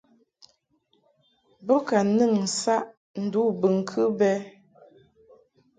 Bo ka nɨn saʼ ndu bɨŋkɨ bɛ.